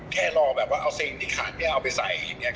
แค่รอแบบว่าเอาเสร็จที่ขาดนี้เอาไปใส่